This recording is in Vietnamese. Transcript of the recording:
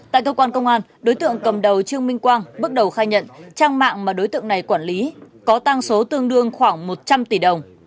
tại cơ quan công an đối tượng cầm đầu trương minh quang bước đầu khai nhận trang mạng mà đối tượng này quản lý có tăng số tương đương khoảng một trăm linh tỷ đồng